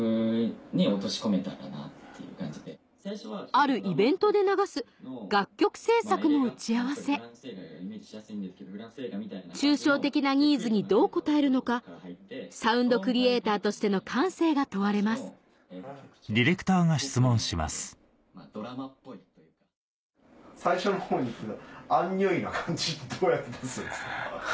あるイベントで流す楽曲制作の打ち合わせ抽象的なニーズにどう応えるのかサウンドクリエイターとしての感性が問われます最初の方に言ってた。